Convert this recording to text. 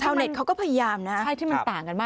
เช้าเหน็กเขาก็พยายามนะครับใช่ที่มันต่างกันมาก